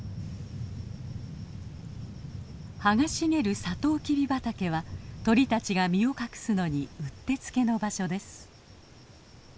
葉が茂るサトウキビ畑は鳥たちが身を隠すのにうってつけの場所です。